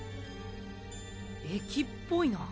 駅っぽいな。